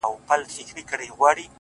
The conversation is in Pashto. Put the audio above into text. • پاته په دې غرو کي د پېړیو حسابونه دي,